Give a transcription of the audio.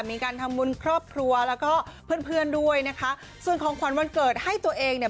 มีการทำบุญครอบครัวแล้วก็เพื่อนเพื่อนด้วยนะคะส่วนของขวัญวันเกิดให้ตัวเองเนี่ย